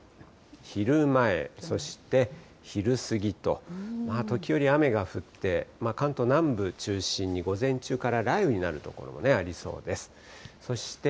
昼前、そして昼過ぎと、時折雨が降って、関東南部中心に午前中から雷雨になる所もありそうです。